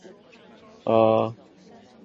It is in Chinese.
每当阿公要离去时